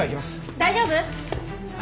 大丈夫？